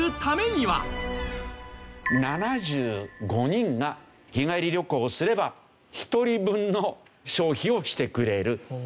７５人が日帰り旅行をすれば１人分の消費をしてくれる。